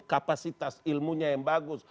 kapasitas ilmunya yang bagus